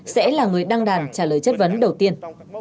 sẽ là người đăng đàn trả lời chất vấn đầu tiên